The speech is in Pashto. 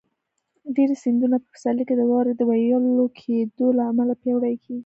ډېری سیندونه په پسرلي کې د واورو د وېلې کېدو له امله پیاوړي کېږي.